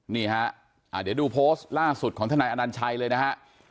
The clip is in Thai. นี่ฮะเดี๋ยวดูโพสต์ล่าสุดของทนายอนัญชัยเลยนะฮะ